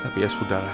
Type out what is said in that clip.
tapi ya sudahlah